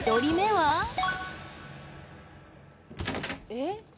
えっ？